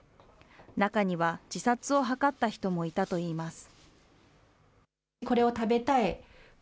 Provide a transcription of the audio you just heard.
中には、自殺を図った人もいたといいます。